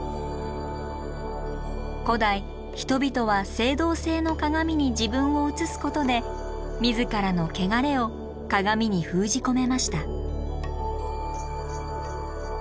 古代人々は青銅製の鏡に自分を映すことで自らの汚れを鏡に封じ込めました。